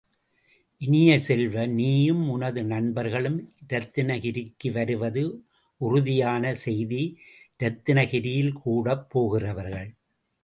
இனிய செல்வ, நீயும் உனது நண்பர்களும் இரத்தனகிரிக்கு வருவது உறுதியான செய்தி இரத்தினகிரியில் கூடப் போகிறவர்கள்.